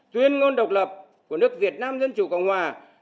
tuyên ngôn độc lập của nước việt nam dân chủ cộng hòa